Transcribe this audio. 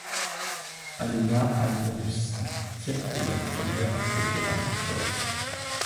Alena Amialiusik est la première à produire un effort.